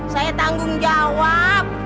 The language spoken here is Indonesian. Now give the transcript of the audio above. saya tanggung jawab